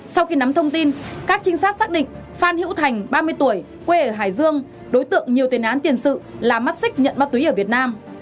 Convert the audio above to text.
sau khi nắm thông tin các trinh sát xác định phan hữu thành ba mươi tuổi quê ở hải dương đối tượng nhiều tiền án tiền sự là mắt xích nhận ma túy ở việt nam